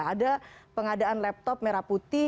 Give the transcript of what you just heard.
ada pengadaan laptop merah putih